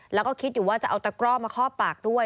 แล้วก็คิดอยู่ว่าจะเอาตะกร่อมาคอบปากด้วย